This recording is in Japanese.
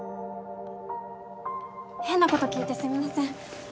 変なこと聞いてすみません。